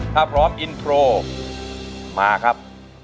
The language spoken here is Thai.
ถ้าพร้อมอินโทรมาครับ